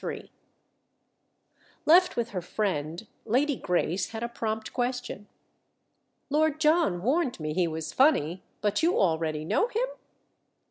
III Left with her friend, Lady Grace had a prompt question. "Lord John warned me he was 'funny'—but you already know him?"